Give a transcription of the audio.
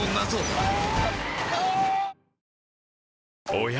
おや？